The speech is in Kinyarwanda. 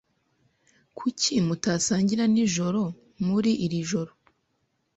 Kuki mutasangira ninjoro muri iri joro?